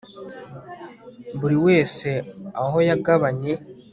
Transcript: buri wese aho yagabanye